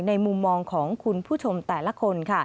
มุมมองของคุณผู้ชมแต่ละคน